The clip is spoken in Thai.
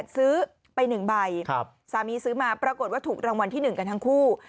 ซื้อไป๑ใบสามีซื้อมาปรากฏว่าถูกรางวัลที่๑กันทั้งคู่